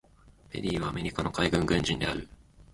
ペリーはアメリカの海軍軍人である。